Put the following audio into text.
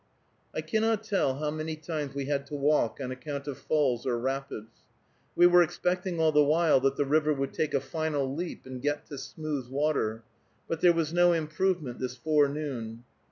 I cannot tell how many times we had to walk on account of falls or rapids. We were expecting all the while that the river would take a final leap and get to smooth water, but there was no improvement this forenoon.